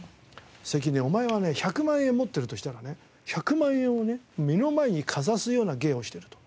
「関根お前はね１００万円持ってるとしたらね１００万円をね目の前にかざすような芸をしてる」と。